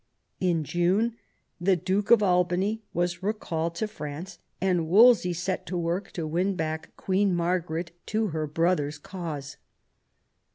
In June the Duke of Albany was recalled to France, and Wolsey set to work to win back Queen Margaret to her brother's cause.